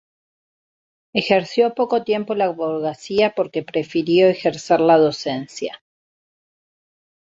Ejerció poco tiempo la abogacía porque prefirió ejercer la docencia.